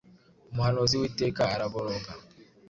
Umuhanuzi w'iteka araboroga